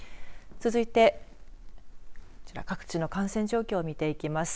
続いてこちら、各地の感染状況を見ていきます。